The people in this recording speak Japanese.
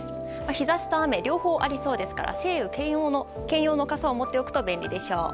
日差しと雨両方ありそうですから晴雨兼用の傘を持っておくと便利でしょう。